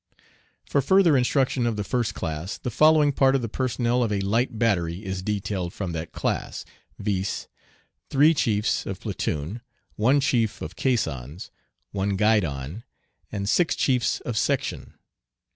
For further instruction of the first class the following part of the personnel of a light battery is detailed from that class, viz.: three chiefs of platoon, one chief of caissons, one guidon, and six chiefs of section.